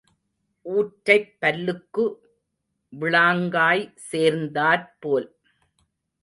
ஊற்றைப் பல்லுக்கு விளாங்காய் சேர்ந்தாற் போல்.